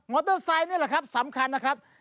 เตอร์ไซค์นี่แหละครับสำคัญนะครับ